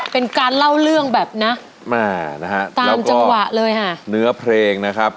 เป็นการเล่าเรื่องแบบนะแม่นะฮะตามจังหวะเลยค่ะเนื้อเพลงนะครับ